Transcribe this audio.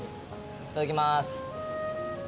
いただきます。